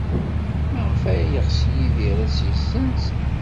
Maɣef ay yeɣs Yidir ad tt-yessenz?